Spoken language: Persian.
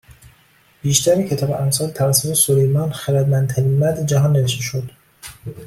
بیشتر کتاب امثال توسط سلیمان خردمندترین مرد جهان نوشته شد